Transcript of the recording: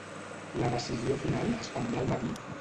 La decisió final es prendrà al matí?